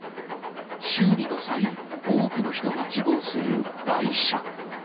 修理の際、多くの人が希望する代車。